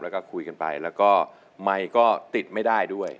แล้วก็คุยกันไปแล้วก็ไมค์ก็ติดไม่ได้ด้วย